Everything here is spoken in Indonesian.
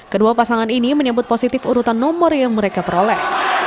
kedua pasangan ini menyebut positif urutan nomor yang mereka peroleh